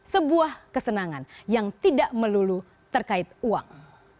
sebuah kesenangan yang tidak melulu terkait uang